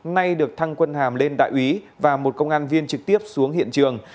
nay được thăng quân hàm lên đại úy và một công an viên trực tiếp xuống hiện trường